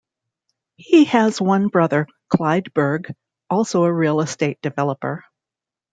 He has one brother, Clyde Berg, also a real estate developer.